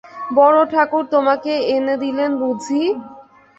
বড়োঠাকুর তোমাকে এনে দিলেন বুঝি?